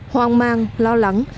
hoang mang lo lắng